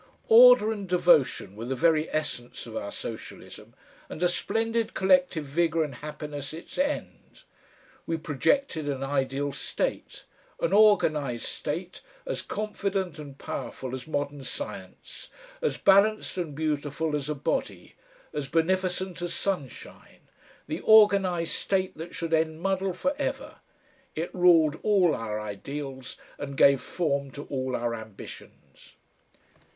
Order and devotion were the very essence of our socialism, and a splendid collective vigour and happiness its end. We projected an ideal state, an organised state as confident and powerful as modern science, as balanced and beautiful as a body, as beneficent as sunshine, the organised state that should end muddle for ever; it ruled all our ideals and gave form to all our ambitions.